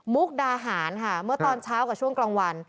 ดาหารค่ะเมื่อตอนเช้ากับช่วงกลางวัน